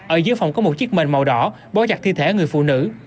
ở dưới phòng có một chiếc mình màu đỏ bó chặt thi thể người phụ nữ